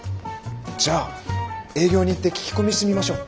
じゃあ営業に行って聞き込みしてみましょう。